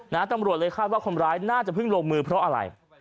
ตำรวจเลยคาดว่าคนร้ายน่าจะเพิ่งลงมือเพราะอะไร